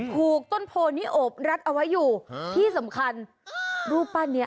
ถูกต้นโพนี้โอบรัดเอาไว้อยู่ที่สำคัญรูปปั้นนี้